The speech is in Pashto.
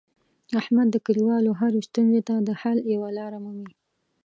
احمد د کلیوالو هرې ستونزې ته د حل یوه لاره مومي.